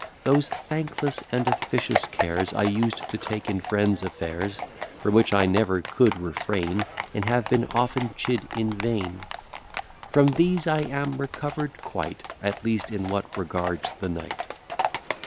Those thankless and officious cares I used to take in friends' affairs, From which I never could refrain, And have been often chid in vain; From these I am recover'd quite, At least in what regards the knight.